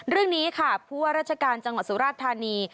เรื่องนี้ค่ะผู้ว่าราชการจังหวัดสุราชธานี